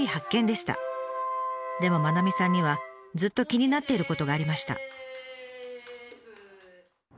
でも愛さんにはずっと気になっていることがありました。